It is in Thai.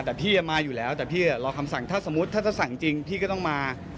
แต่พี่มาอยู่แล้วแต่พี่รอคำสั่งถ้าสมมุติถ้าจะสั่งจริงพี่ก็ต้องมา